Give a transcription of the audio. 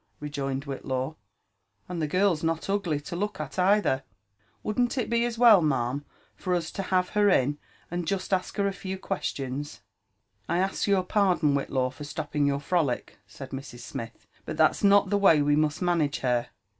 rejoined Whitlaw. ''And the girl's not ugij to look at neither. Wouldn't it be as wail, ma'am,, for us to hare her in, and jest ask her a few questions V " I ask your pardon, Whillaw, for stopping your frolic," said Ur. Smith ;*' but that's not the way we must manage her.